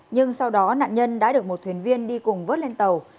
nhưng sau đó nạn nhân đã được một thuyền viên đi cùng vớt lên tàu